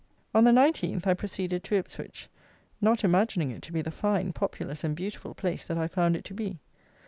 On the 19th I proceeded to Ipswich, not imagining it to be the fine, populous, and beautiful place that I found it to be.